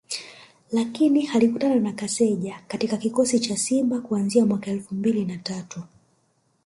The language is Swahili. lakini alikutana na Kaseja katika kikosi cha Simba kuanzia mwaka elfu mbili na tatu